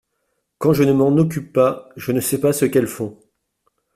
Quand je ne m’en occupe pas je ne sais pas ce qu’elles font.